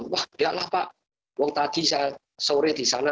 wah lihatlah pak waktu tadi sore di sana